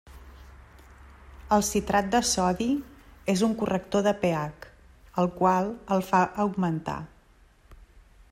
El citrat de sodi és un corrector de pH, el qual el fa augmentar.